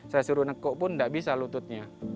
saya suruh nekok pun tidak bisa lututnya